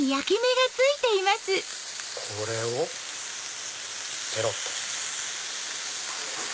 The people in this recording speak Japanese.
これをぺろっと。